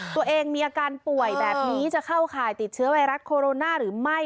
ตัวเองมีอาการป่วยแบบนี้จะเข้าข่ายติดเชื้อไวรัสโคโรนาหรือไม่